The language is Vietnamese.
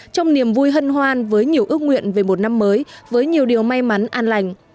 trong niềm vui hân hoan với nhiều ước nguyện về một năm mới với nhiều điều may mắn an lành